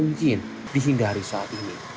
mungkin dihinggali saat ini